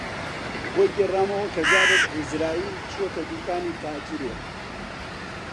بۆی گێڕامەوە کە جارێک عیزراییل چۆتە دووکانی تاجرێک